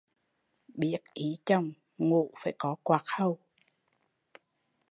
Biết ý chồng ngủ phải có quạt hầu